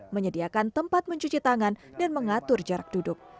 menyediakan tempat mencuci tangan dan mengatur jarak duduk